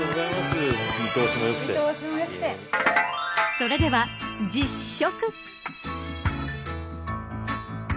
それでは実食。